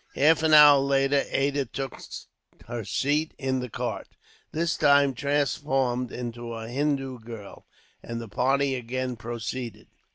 Half an hour later, Ada took her seat in the cart, this time transformed into a Hindoo girl, and the party again proceeded.